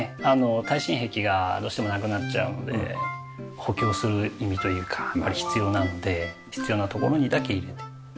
耐震壁がどうしてもなくなっちゃうので補強する意味というか必要なので必要な所にだけ入れて。